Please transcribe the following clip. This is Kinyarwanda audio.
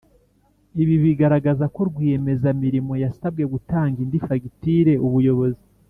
Ibi bigaragaza ko Rwiyemezamirimo yasabwe gutanga indi fagitire Ubuyobozi